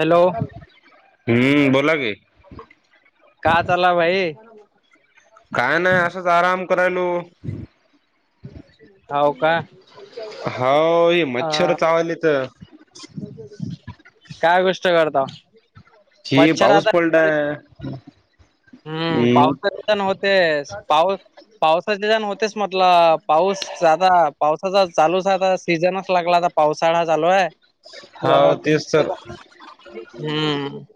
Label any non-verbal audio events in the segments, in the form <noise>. Hello! हम्म बोला की का चाला भाई. <inaudible> काय नाही असाच आराम करायला. <inaudible> हाव ही अ मच्छर चावलेत तर काय गोष्ट करता. कि मच्छर पाऊस आता पडलाय. हम्म पावसाचे जण होतेस पाऊ पावसाचे जण होतेच. म्हटलं पाऊस आता पावसाचा चालूच आहे आता सीझनच लागला आता पावसाळा चालू आहे. हाव तेच तर <unintelligible>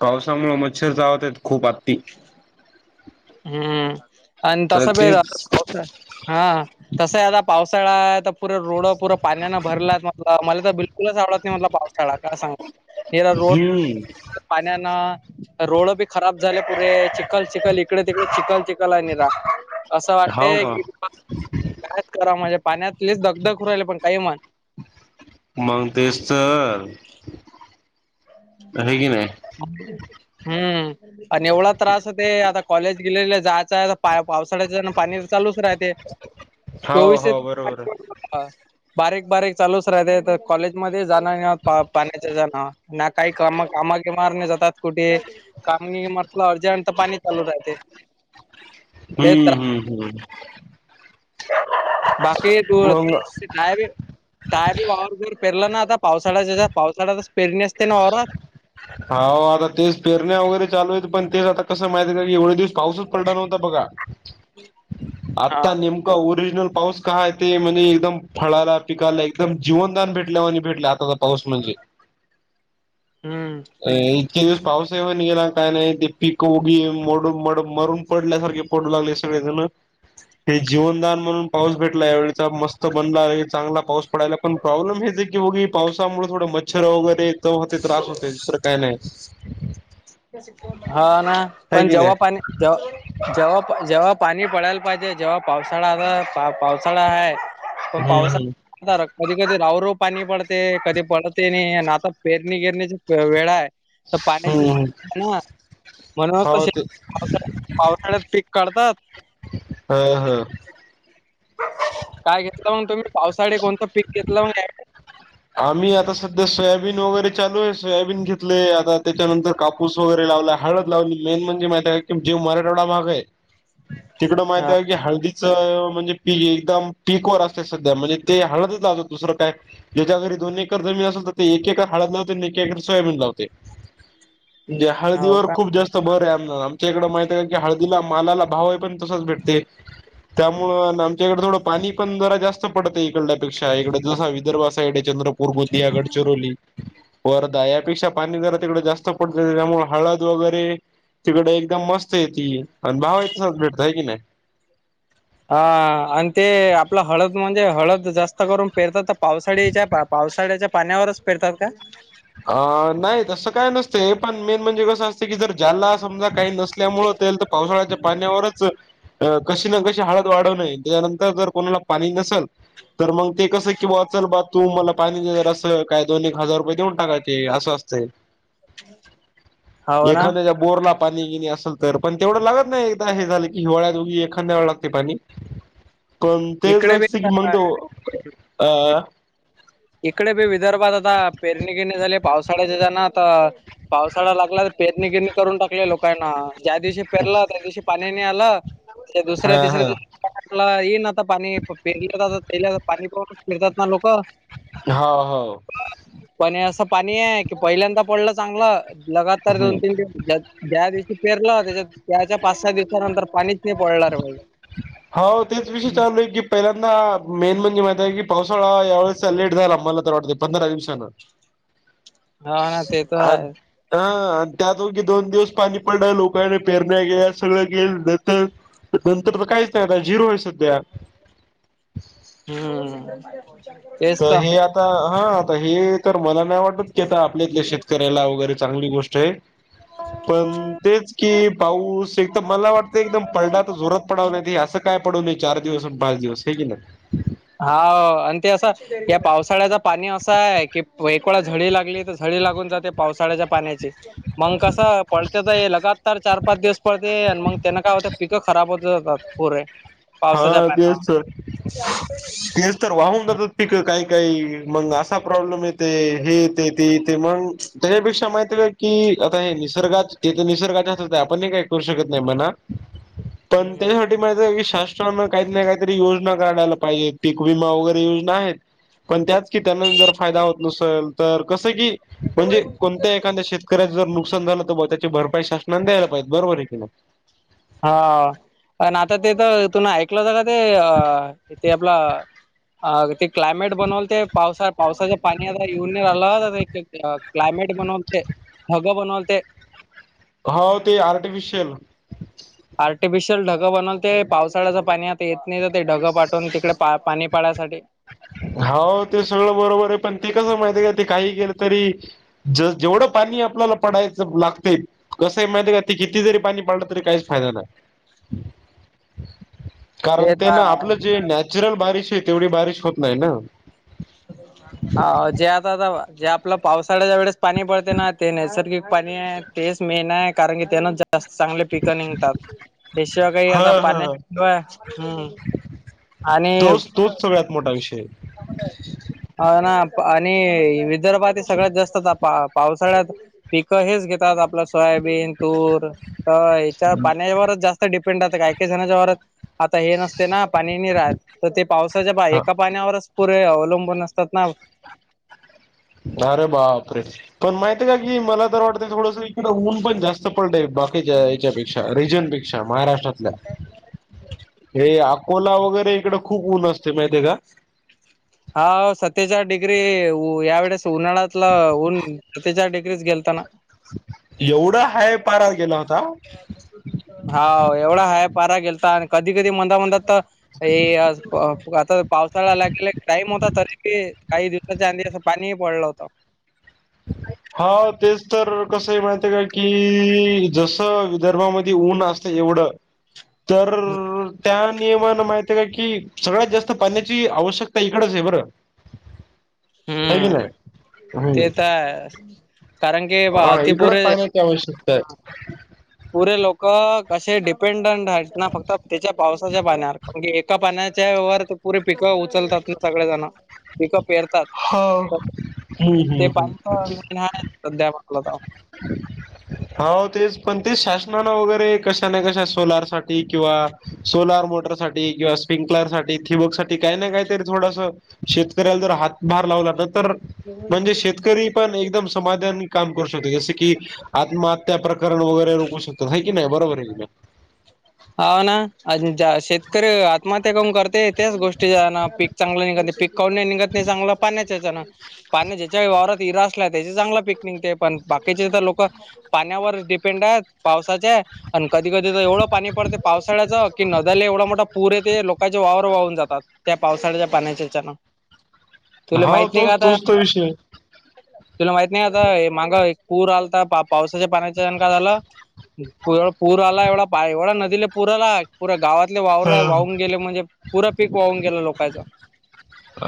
पावसामुळे मच्छर वत आहेत खूप आत्ती. हम्म आणि तर तस बे तेच <unintelligible> हा कसं आता पावसाळा तर पुरे रोड पुरं पाण्यान भरला म्ह मला तर बिलु. हम्म <unintelligible> रोड बी खराब झाले पुरे चिखल चिखल इकडे तिकडे चिखल चिखल आहे नि रा. असं वाटते हाव का की काय करा म्हणजे पाण्यातलेच दगधखु राले पण काही म्हण. मंग तेच तर है की नाई. हम्म अन एवढा त्रास होते आता कॉलेज बिलेजले जा पावसाळ्याच्यानं पाणी चालूच राहते, हाव चोवीस हाव बरोबर आहे बारीक बारीक चालूच राहते त कॉलेजमध्ये जाणं ह्या पाण्याच्या ह्याजाणं ना काही कामा कामा बीमावर जातात कुठे.. कामगी मटलं अर्जंट तर पाणी चालू राहते. हुम्म हुम्म हुम्म. बाकी तू <unintelligible> मग पेरलं ना आता पावसाळ्याच्यायाच्या पावसाळ्यातच पेरणी असते ना वावरात होा आता तेच पेरन्या वगैरे चालू आहेत पण तेच कसं माहिित आहे का एवढे दिवस.. पाऊसच पडला नव्हता बघा हा. आता नेम -का ओरिजिनल पाऊस का ते म्हणजे एकदम फळाला पिकायला एकदम जीवनदान भेटल्यावाणि भेटले आता त पाऊस म्हणजे. हम्म. अ इतके दिवस पावस हाईन गेला न काय नाय ते पीक उगी मोड म मरून पडल्यासारखे पडू लागले सगळेजणं. ते जीवनदान म्हणून पाऊस भेटला यावेळीचा मस्त बनलाये चांगला पाऊस पडायला पण प्रॉब्लेम हेेते की बघी पावसामुळे थोडं मच्छर वगैरे तर हो ते त्रास होत.. ते दुसरं काय नाय. हा ना पण जेव्हा पाणी जव्हा जेव्हा-जेव्हा पाणी पडायल पायजे जेव्हा पावसाळाला पावसाळा हाय. पण पावसा हम्म आता कधी कधी राऊ राऊ पाणी पडते, कधी पडते नी आणि आता पेरणी गेरणीची वेळाय. त पाण्याची हम्म हम्म हां म्हणूनच हो तसे ते पावसा पावसाळ्यात पीक काढतात.. ह ह. <inaudible> काय घेतलं मग तुम्ही पावसाळी कोणतं पी घेतलं मग.. आम्ही आता सध्या सोयाबीन वगैरे चालूयेस सोयाबीन घेतले आता त्याच्यानंतर कापूस वगैरे लावला. हळद लावली मेन म्हणजे माईताय की जे मराठवाडा भागे तिकडं माईताय हळदीचं म्हणजे पि एकदम पीकवर असते सध्या म्हणजे ते हळदंच लावतात दुसरं काय ज्याच्या घरी दोन एकर जमीन असेल त ते एक एकर हळद लावते आणि एक एकर सोयाबीन लावते. म्हणजे हो का? हळदीवर खूप जास्त् बरंयम आमच्या इकडं माईताय का की हळदीला मालाला भावाय पण तसाच भेटते. त्यामुळं अन् आमच्याकडे थोडं पाणी पण जरा जास्त पडतं इकडल्यापेक्षा इकडे जसा विदर्भास् चंद्रपूर बुिया गडचिरोली वरधा यापेक्षा पाणी जरा तिकडे जास्त.. पडतं त्यामुळे हळद वगैरे तिकडे एकदम मस्त येती आणि भावा इ तसाच भेटतं हाय की नाय. हा आणि ते आपलं हळद म्हणजे हळद जास्त करून पेरतात तर पावसाळीच्या प.. पावसाळ्याच्या पाण्यावरच पेरतात का? अ नाय तसं काय नसतं हे पण मेन म्हणजे कसं अस् चीकी जर ज्याला समजा काई नसल्यामुळं तेल तर पावसाळ्याच्या पाण्यावरच अ कशी ना कशी हळद वाढवनये त्याच्यानंतर जर कोणाला पाणी नसंल. तर मंग ते कसं की ब्वा चल बा तू मला पाणी दे जरासं काय दोन एक हजार रुपये देऊन् -ते असं असतंय हो ना एखाद्याच्या् बोर ला पाणी गिणी असेल तर पण तेवढं लागत नाई एकदा हे झालं की हिवाळ्यात उगी एखांद्या वेळ लागते पाणी. <unintelligible> कोणत्या ही इकडे जा बी सिग मन तो आ इकडे बी विदर्भात आता पेरणी बिरणी झाली. पावसाळा जे ज्यानं आता पावसाळा लागला पेरणी बीरणी करून टाकली लोकांना, ज्या दिवशी पेरलं त्यादिवशी पाणी नाही आलं ते दुसऱ्या हा हा. तिसऱ्यानी आपला येईल ना आता पाणी, प पेरणी करायचा, पहिला पाणी पाहूनच पेरतात ना लोकं? हा, हो पण हे असं पाणी हाये, की पहिल्यांदा पडलं चांगलं, लगातार दोन तीन ज्या ज्या दिवशी पेरनं, त्याज्या - त्याच्या पाच, सहा दिवसा नंतर पाणीच नाही पडलं रे भाई. हाव तेच विषय चालू हाय की. पाहिलांदा मेन म्हणजे माहितेय, की पावसाळा यावेळेसचा लेट झाला, मला तर वाटतं पंधरा दिवसानं. हा, ते तर हाय हा, त्या दोघी दोन दिवस, पाणी पडल्या लोकांना पेरण्या गेल्या सगळं गेलं, नंतर नंतर तर म, काहीच नाही, अगं झिरो हाय सध्या हुम्म तर ही आता, हा पहिली, तर मला नाही वाटत ते तर आपल्या इथल्या शेतकऱ्याला वगैरे चांगली गोष्ट हाय. <inaudible> पण तेच की, पाऊस एकत मला वाटतंय एकदम पडला तर जोरात पडावं, नाही ती असं काय पडून नाही, चार दिवस अन पाच दिवस, हाय की नाही? हो अन ते असं या पावसाळ्याचा पाणी असं हाय, की एक वेळा झळे लागली, त झळे लागून जाते. पावसाळ्याच्या पाण्याची मग कसं, पळत्यातंय लगातार चार पाच दिवस पळतेय, अन मग त्यानं काय होतंय? पिकं खराब होत जातात, पुरे पावसाच्या हा, तेच पाण्यावर. तर - तेच तर वाहून जातात पीकं, काही काही मंग असा प्रॉब्लेम येतोय, हे येतंय ते येतंय, मंग त्यापेक्षा माहितीये की आता हे निसर्गाचं, ते तर निसर्गाच्या हातात आहे, आपण ही, काही करू शकत नाय म्हणा. <inaudible> पण त्याच्यासाठी माझं विशाष च्यामुळं, काही ना काहीतरी, योजना काढायला पाहिजे, पीक वीमा वगैरे योजना हायेत. पण त्याच की त्यांनाच जरा फायदा होत नसेल तर कसं की, म्हणजे कोणत्या एखांद्या शेतकऱ्याचं, नुकसान झालं, तर वा त्याची भरपाई शासनाने द्यायला पाहिजेत, बरोबर हाय की नाय? हा पण आता ते तर तुम्ही ऐकला सा का ते अ इथे आपलं अगं ते क्लायमेट बनवून ते पावसा पावसाचे पाणी आता येऊन नाही राहिलं <unintelligible> क्लायमेट बनवते ढगं बनवते हा, ते आर्टिफिशियल आर्टिफिशियल ढग बनवते, पावसाळ्याचं पाणी आता येत नाही, ते ढग पाठवून तिकडे पा पाणी पडायसाठी. हाऊ ते सगळं बरोबरे पण ते कसंय माहितीये का, ते काही केलं तरी ज जेवढं पाणी आपल्याला पडायचं लागते कसं हाय माहितेय का, ती किती जरी पाणी पडलं, तरी काहीच फायदा नाय. <inaudible> कारण, ते ना आपलं जे नॅचरल बारिश है, तेवढी बारिश होत नाही ना? हा, जे आता दावा, जे आपलं पावळ्याच्या वेळेस पाणी पडतंय ना, ते नैसर्गिक पाणी हाय, तेच मेन हाय, कारण की त्यांनच ज जास्त चांगले पिकं निकतात, त्याशिवाय काही हा आत्ता हा पाण्याशिवाय हुंम तोच - तोच सगळ्यात मोठा विषय आता कुठाय, हा ना, पाणी विदर्भात हे सगळ्यात जास्त तपा आप पावसाळ्यात पिकं हेच घेतात, आपलाच सोयाबीन तूर होय याच्या पाण्यावर जास्त डिपे राहतंय काही काही जणांच्या घरात. आता हे नसतं ना, पाणी नाय राहतं, तर ते पावसाच्या पहा हा एका पाण्यावरच पुरे अवलंबून असतात ना. अरे बाप रे! पण माहितीये का की, मला तर वाटतंय थोडसं इकडं ऊन पण जास्त पडलंय बा. त्याच्या याच्यापेक्षा रीजन पेक्षा महाराष्ट्रातल्या. हे अकोला वगैरे इकडं, खूप ऊन असतं माहितीये का? हाव सत्तेचाळीस डिग्री यावेळेस उन्हाळ्यातला उंच सत्तेचाळीस डिग्रीज गेलताना. एवढा हाय पारा गेला होता? हा एवढा हाय पारा गेलता, आणि कधी कधी म्हणता म्हणता तर हे आज बघ आता पावसाळा आला की लगेच टाईम होता तरीबी त्यात <unintelligible> पाणीही पडलं होतं. हा तेच तर कसं ये माहिती ये काकी जसं विदर्भामध्ये ऊन असतं एवढं. छप <unintelligible> तर. त्या नियमाने माहिती आहे काय की, सगळ्यात जास्त पाण्याची आवश्यकता इकडचं आहे बर का, हुम ते हम्म तर आहे. कारण की पहा आती पोरे. त्या मुळे शिकता येत. पुरे लोकं कशाए डिपेंडंट आहेत ना, फक्त त्याच्या पावसाच्या पाण्यावर, कारण की एका पाण्यात त्यावर ती पुरी पिकं उचलतात मग सगळेजणं, पिकं पेरतात. तर हो हुम हुम. अ द्या म्हटलंआ दाव <unintelligible> हो तेच, पण ते शासनाने वगैरे कशाने कशा सोलार साठी ती किंवा सोलार मोटर साठी किंवा स्प्रिंग प्लेयर साठी ठिबक साठी काय ना काय तरी थोडसं. शेतकऱ्याला जर हातभार लावला तर, तर म्हणजे शेतकरी पण एकदम समाधानाने काम करू शकेल जसं की आत्महत्या प्रकरण वगैरे रोखू शकतो हाय की नाय बरोबर. प्रिलम. हा अ ना, अजून चार शेतकरी आत मग त्या कोण करतय, त्याच गोष्टी येणा पीक चांगलं निघत नाय पिक काऊन निघत नाही चांगलं पाण्यात? त्याचा न, पाणी ज्याच्या वावरात विहीर असला त्याचा चांगलं पिक निघते, पण बाकीचं तर लोकं पाण्यावर डिपेंड आहात, पावसाच्या आणि कधीकधी तर एवढं पाणी पडतय पावसाळ्याचा, की नद्याला एवढा मोठा पूर येते लोकांचे वावरं वाहून जातात. त्या पावसाळ्याच्या पाण्याच्या यच्याने, तुले हा माहिती नाही का तोच आता तोच तो विषय आहे. तुला माहित नाही आता, हे मागं एक पूर आलता, पा पावसाच्या पाण्याचा न काय झालतं. पुरा पूर आला एवढा, एवढा नदीला पूर आला पुऱ्या गावातले वावरं हा. वाहून गेले म्हजे पुरा पिक वाहून गेलं लोकांचं.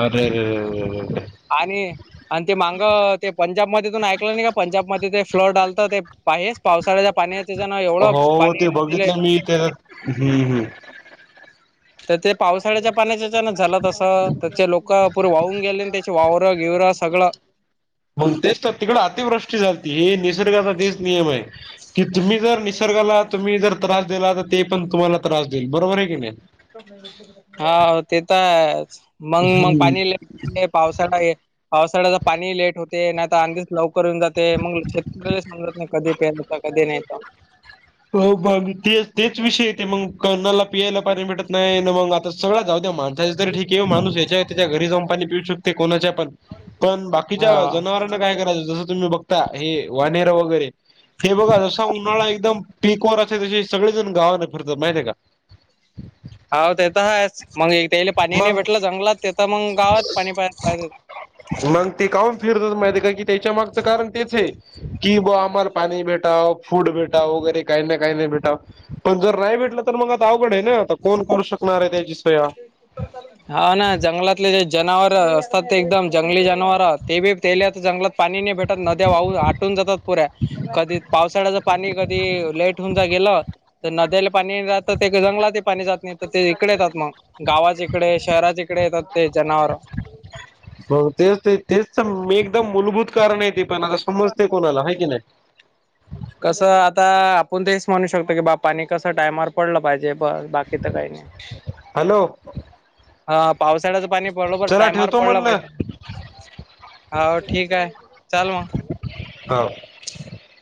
आ रे रे रे रे रे रे आणि आन ते माग ते पंजाब मध्ये पण ऐकलं नाही का पंजाब मध्ये ते फ्लॅट आलता ते. पाहेच पावसाच्या पाण्यात तिचं ना एवढ. हो ते बघितलं मी ते, हम्म हम्म. तर ते पावसाळ्याच्या पाण्याच्या न झालं तसं त्यांचे लोक पूर वाहून गेले न त्यांचे वावर बिवर सगळं. मग तेच तर, तिकडं अतिवृष्टी झालती, निसर्गाचा तेच नियमय. कि तुम्ही जर निसर्गाला तुम्ही जर त्रास दिला, तर ते पण तुम्हाला त्रास देईल, बरोबरे की नाय. हा ते तर आहेच, मंग मंग हम्म. पाणी लई ते पावसात आहे. पावसाळ्याला पाणी लेट येतंय नाहीतर आधीच लवकर येऊन जातंय, शेतकरी कधी प्यायल का कधी नाही का? <unintelligible> तेच तेच विषय येतंय मंग. कोणाला पियाला पाणी भेटत नाही ना मग आता सगळ्या जाऊ द्या. माणसाचे तरी ठीक आहे, माणूस याच्या त्याच्या घरी जाऊन पाणी पिऊ शक ते कोणाच्या पण. पण हा बाकीच्या जनावरांना काय करायचं, जसं तुम्ही बघ ता हे वाडेर वगैरे. हे बघा जसा उन्हाळा एकदम पिक वर असं ते जे सगळेजण गावातनं फिरतात माहितीय का. हाव ते तर हाच, मग त्या पाणी नाही मग भेटलं जंगलात, तेथ मग गावात पाणी पा पा मग ते काऊून फिरतात माहितीय का, की त्याच्या मागचं कारण तेचयं. की बुवा आम्हाला पाणी भेटावं, फुड भेटावं वगैरे. काही ना काही नाही भेटाव. पण जर नाही भेटलं, तर मग आता अवघड आहे ना. आता कोण करू शकणार आहे त्याची सोया? <inaudible> हाव ना जंगलातले जे जनावर असतात ते एकदम जंगली जनावर तेबी त्यालात जंगलात पाणी नाही भेट तरनद्या वाहू आटून जातात पुऱ्या. कधी पावसाळ्याचं पाणी कधी लेट होऊन जा गेलं. तर नद्याला पाणी राहतं ते काय जंगलातही पाणी जात नाही, तर ते इकडे येतात मग. गावात इकडे शहराच्या इकडे येतात ते जनावर. मग तेच ते तेच म एकदम मूलभूत कारण आहे ते पण आता, पण समजते कोणाला हाय की नाही? कसं आता आपण तेच म्हणू शकतो की, बा पाणी कसं टायमावर पडलं पाहिजे. बर बाकीच काय नाय. हॅलो हा पावसाळ्याचं पाणी बरोबर चला टायमवर ठेवतो पडलं म्हणलं पाहिजे हव ठीक हाय, चाल मग. हां